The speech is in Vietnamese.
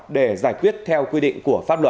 để giải quyết theo quy định của